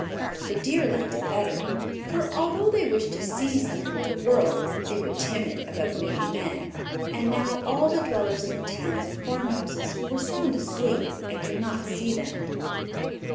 The deer liked it better; for, although they wished to see something of the world, they were timid about meeting men, and now all the dwellers in the towns and farmhouses were sound asleep and could not see them.